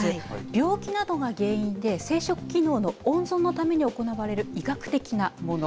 病気などが原因で、生殖機能の温存のために行われる医学的なもの。